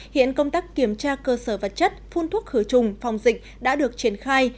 hiện công tác kiểm tra cơ sở vật chất phun thuốc khử trùng phòng dịch đã được triển khai